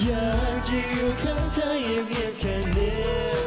อยากที่อยู่ข้างเธอเงียบแค่นี้